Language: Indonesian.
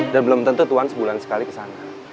dan belum tentu tuhan sebulan sekali ke sana